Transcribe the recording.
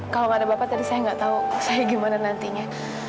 kalau gak ada bapak tadi saya nggak tahu saya gimana nantinya